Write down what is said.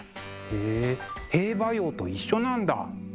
へえ「兵馬俑」と一緒なんだ。